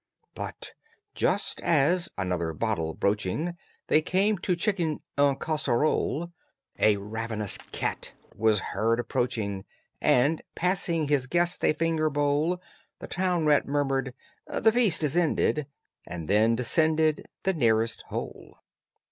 But just as, another bottle broaching, They came to chicken en casserole A ravenous cat was heard approaching, And, passing his guest a finger bowl, The town rat murmured, "The feast is ended." And then descended The nearest hole.